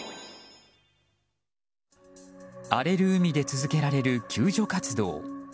荒れる海で続けられる救助活動。